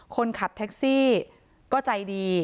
คนขับแท็กซี่ก็ใจดี